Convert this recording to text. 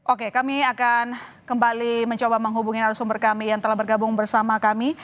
oke kami akan kembali mencoba menghubungi narasumber kami yang telah bergabung bersama kami